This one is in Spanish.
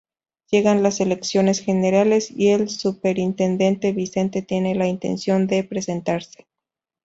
Llegan las elecciones generales y el superintendente Vicente tiene la intención de presentarse.